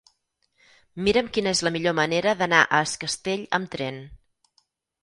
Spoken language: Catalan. Mira'm quina és la millor manera d'anar a Es Castell amb tren.